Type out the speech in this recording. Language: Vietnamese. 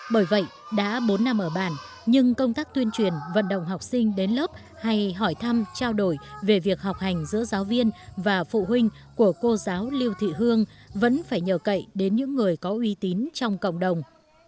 bởi vậy đã bốn năm ở bản nhưng công tác tuyên truyền vận động học sinh đến lớp hay hỏi thăm trao đổi về việc học hành giữa giáo viên và phụ huynh của cô giáo liêu thị hương vẫn phải nhờ cậy đến những người có uy tín trong cộng đồng